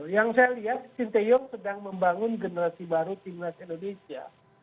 yang saya lihat sinteyong sedang membangun generasi baru timnas indonesia